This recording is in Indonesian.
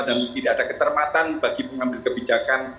dan tidak ada ketermatan bagi pengambil kebijakan